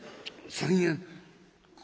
３円」。